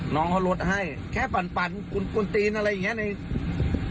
น้องเค้ารถให้แค่ปั่นค้นทีนอะไรอย่างเนี่ย